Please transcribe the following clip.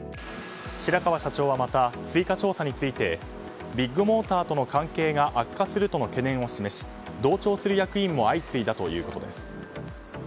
白川社長はまた追加調査についてビッグモーターとの関係が悪化するとの懸念を示し同調する役員も相次いだということです。